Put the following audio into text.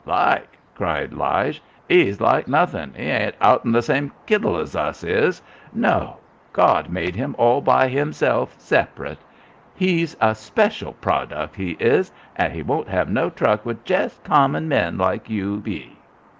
"Like?" cried Lige. "He's like nothin'. He ain't out'n the same kittle as us. No. Gawd made him all by himself sep'rate. He's a speshul produc', he is, an' he won't have no truck with jest common men, like you be."